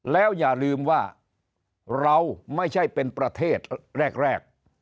แล้วอย่าลืมว่าเราไม่ใช่เป็นประเทศแรก